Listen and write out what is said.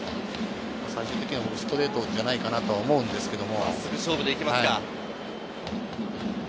ストレートじゃないかなと思うんですけれど。